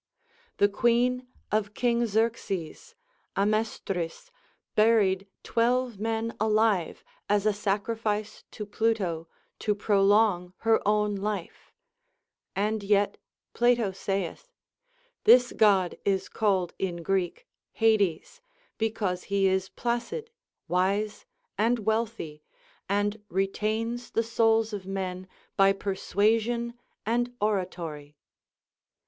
The queen of King Xerxes, Amestris, buried twelve men alive, as a sacrifice to Pluto to prolong her own life ; and yet Plato saith. This God is called in Greek Hades, because he is placid, wise, and wealthy, and retains the souls of men by persuasion and oratory.